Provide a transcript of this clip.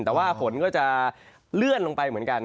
แต่ว่าฝนก็จะเลื่อนลงไปเหมือนกัน